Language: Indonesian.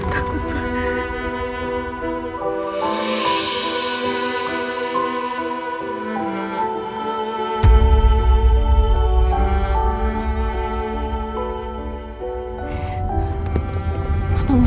kamu harus tenang